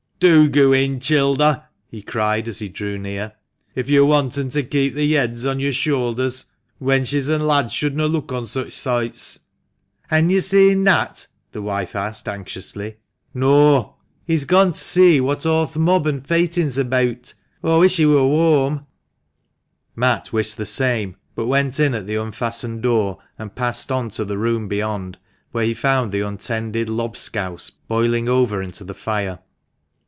"Do goo in, childer!" he cried, as he drew near, "if yo' wantn to kep the yeads on yo'r shoulders. Wenches and lads shouldna look on such soights." " Han yo' seen Nat ?" the wife asked, anxiously. i88 THE MANCHESTER MAN. " Nawe." " He's gone t' see what o' th* mob and feightin's abeawt. Aw wish he wur whoam !" Matt wished the same, but went in at the unfastened door, and passed on to the room beyond, where he found the untended lobscouse boiling over into the fire.